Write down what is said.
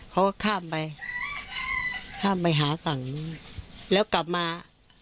เขาก็ข้ามไปข้ามไปหาฝั่งนู้นแล้วกลับมา